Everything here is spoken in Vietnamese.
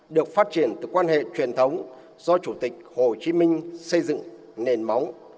được phát triển từ quan hệ truyền thống do chủ tịch hồ chí minh xây dựng nền móng